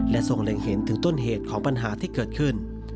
ทรงเล็งเห็นถึงต้นเหตุของปัญหาที่เกิดขึ้น